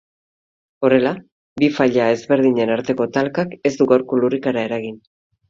Horrela, bi faila ezberdinen arteko talkak ez du gaurko lurrikara eragin.